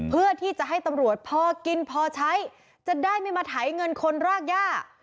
เพื่อที่จะให้ตำรวจพอกินพอใช้จะได้ไม่มาไถเงินคนรากย่า